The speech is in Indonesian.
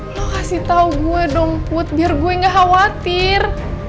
lo kasih tau gue dong put biar gue gak khawatir